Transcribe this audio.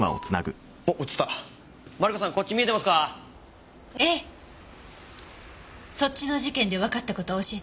そっちの事件でわかった事を教えてもらえる？